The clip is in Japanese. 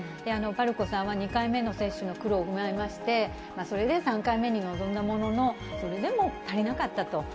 ぱるこさんは、２回目の接種の苦労を踏まえまして、それで３回目に臨んだものの、それでも足りなかったと。